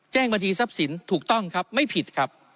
บัญชีทรัพย์สินถูกต้องครับไม่ผิดครับ